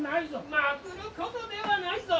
なぶることではないぞ。